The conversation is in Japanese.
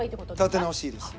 立て直しいいです。